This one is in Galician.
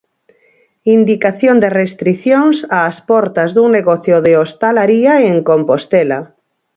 Indicación de restricións ás portas dun negocio de hostalaría en Compostela.